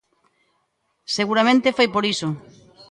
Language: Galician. Seguramente foi por iso.